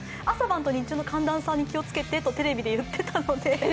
朝晩と日中の寒暖差に気をつけてとテレビでいってたので。